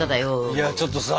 いやちょっとさ